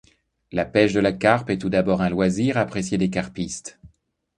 La pêche de la carpe est tout d'abord un loisir, apprécié des carpistes.